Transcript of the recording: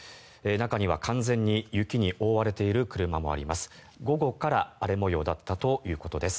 中には完全に雪に覆われている車もあります。